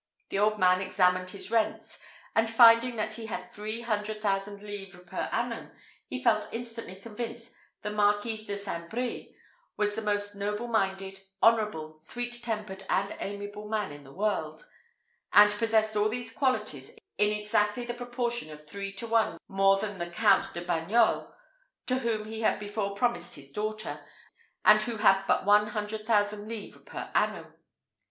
The old man examined his rents, and finding that he had three hundred thousand livres per annum, he felt instantly convinced the Marquis de St. Brie was the most noble minded, honourable, sweet tempered, and amiable man in the world; and possessed all these qualities in exactly the proportion of three to one more than the Count de Bagnols, to whom he had before promised his daughter, and who had but one hundred thousand livres per annum.